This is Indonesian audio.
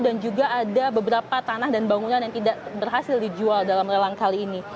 dan juga ada beberapa tanah dan bangunan yang tidak berhasil dijual dalam lelang kali ini